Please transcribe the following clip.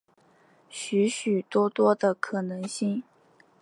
许许多多的可能性